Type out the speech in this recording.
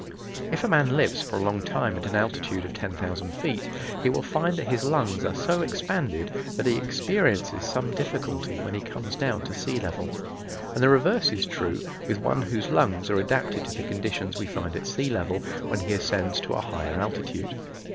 If a man lives for a long time at an altitude of 10,000 feet he will find that his lungs are so expanded that he experiences some difficulty when he comes down to sea level. And the reverse is true with one whose lungs are adapted to the conditions we find at sea level, when he ascends to a higher altitude.